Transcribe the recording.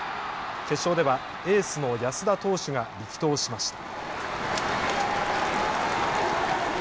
決勝ではエースの安田投手が力投しました。